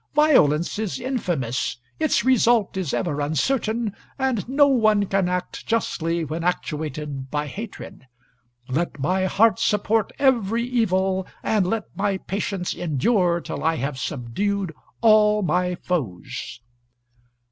Violence is infamous; its result is ever uncertain, and no one can act justly when actuated by hatred. Let my heart support every evil, and let my patience endure till I have subdued all my foes."